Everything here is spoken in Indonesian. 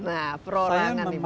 nah perorangan ini bagaimana